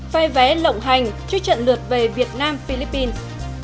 phay vé lộng hành trước trận lượt về việt nam philippines